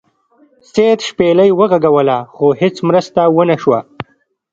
سید شپیلۍ وغږوله خو هیڅ مرسته ونه شوه.